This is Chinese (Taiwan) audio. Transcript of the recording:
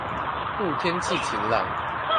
故天氣晴朗